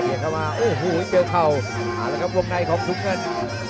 เกี่ยวเข้ามาโอ้โหเกี่ยวเข้าหาแล้วกับวงในของทุกคน